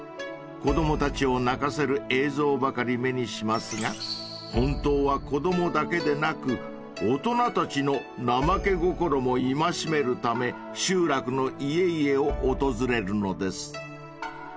［子供たちを泣かせる映像ばかり目にしますが本当は子供だけでなく大人たちの怠け心も戒めるため集落の家々を訪れるのです］